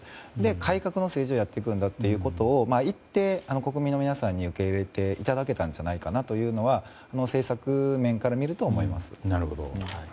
改革の政治をやっていくんだということを言って国民の皆さんに受け入れていただけたんじゃないかなと政策面から見ると思います。